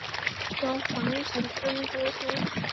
由黄承恩播出。